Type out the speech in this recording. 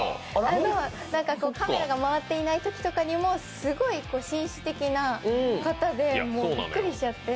カメラが回っていないときとかにもすごい紳士的な方で、もうびっくりしちゃって。